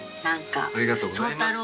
ありがとうございます。